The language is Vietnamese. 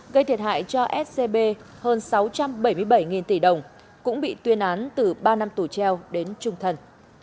gây thiệt hại cho scb hơn sáu trăm bảy mươi bảy tỷ đồng cũng bị tuyên án từ ba năm tù treo đến trung thần